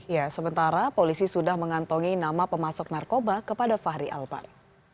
ya sementara polisi sudah mengantongi nama pemasok narkoba kepada fahri albar